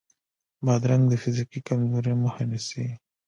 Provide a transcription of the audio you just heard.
بادرنګ د فزیکي کمزورۍ مخه نیسي.